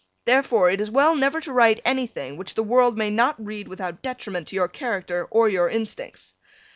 Therefore, it is well never to write anything which the world may not read without detriment to your character or your instincts.